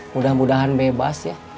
mudah mudahan bebas ya